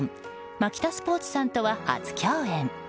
マキタスポーツさんとは初共演。